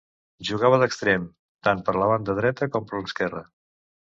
Jugava d'extrem, tant per la banda dreta com per l'esquerra.